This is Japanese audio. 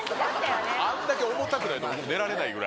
あんだけ重たくないと寝られないぐらい。